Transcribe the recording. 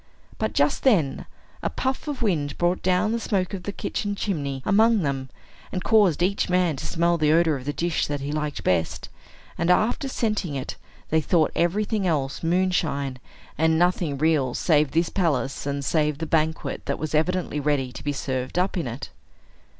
But, just then, a puff of wind brought down the smoke of the kitchen chimney among them, and caused each man to smell the odor of the dish that he liked best; and, after scenting it, they thought everything else moonshine, and nothing real save this palace, and save the banquet that was evidently ready to be served up in it.